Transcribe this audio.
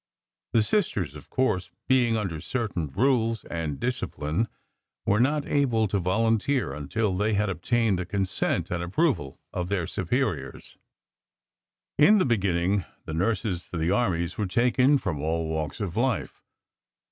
The Sisters, of course, being under certain rules and discipline, were not able to volunteer until they had obtained the consent and approval of their Superiors. In the beginning the nurses for the armies were taken from all walks of life.